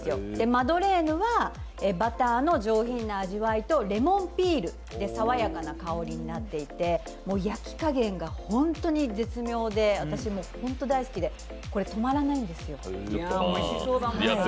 マドレーヌはバターの上品な味わいとレモンピールで爽やかな香りになっていて焼き加減が本当に絶妙で、私もホント大好きで、これ止まらないんですよ。